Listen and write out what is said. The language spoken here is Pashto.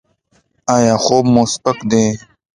ایا خوب مو سپک دی؟